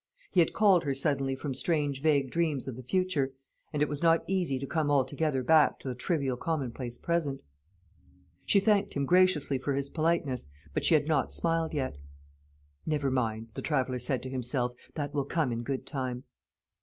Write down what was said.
He had called her suddenly from strange vague dreams of the future, and it was not easy to come altogether back to the trivial commonplace present. She thanked him graciously for his politeness, but she had not smiled yet. "Never mind," the traveller said to himself; "that will come in good time."